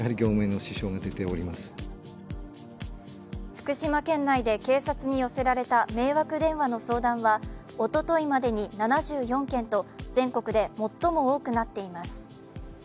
福島県内で警察に寄せられた迷惑電話の相談はおとといまでに７４件と、全国で最も多くなっています。